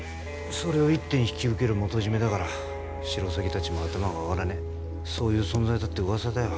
それを一手に引き受ける元締めだからシロサギたちも頭が上がらねえそういう存在だって噂だよ